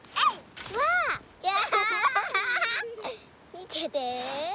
みてて。